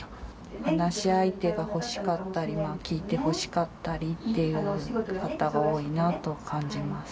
話し相手が欲しかったり、聞いてほしかったりっていう方が多いなと感じます。